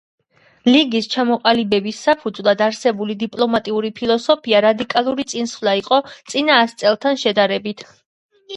ლიგის ჩამოყალიბების საფუძვლად არსებული დიპლომატიური ფილოსოფია რადიკალური წინსვლა იყო წინა ას წელთან შედარებით.